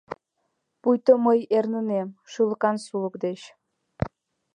Пуйто мый эрнынем шӱлыкан сулык деч.